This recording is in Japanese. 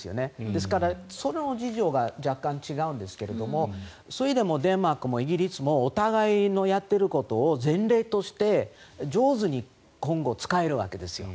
ですから、その事情が若干違うんですけどスウェーデンもデンマークもイギリスもお互いのやっていることを前例として上手に今後使えるわけですよ。